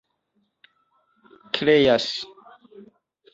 kreas